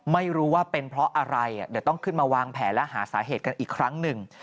ไม่รู้ว่าเป็นเพราะอะไรเดี๋ยวต้องขึ้นมาวางแผนและหาสาเหตุกันอีกครั้งหนึ่ง